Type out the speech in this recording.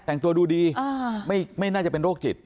แต่งตัวดูดีไม่น่าจะเป็นโรคจิต